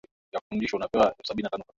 Meza ngapi?